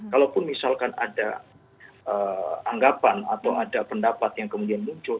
kalaupun misalkan ada anggapan atau ada pendapat yang kemudian muncul